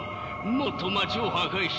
もっと街を破壊しよう。